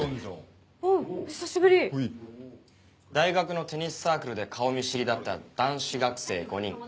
大学のテニスサークルで顔見知りだった男子学生５人。